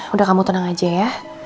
udah kamu tenang aja ya